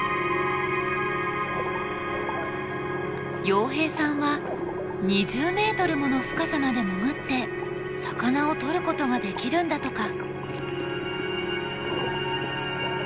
洋平さんは２０ｍもの深さまで潜って魚をとることができるんだとか。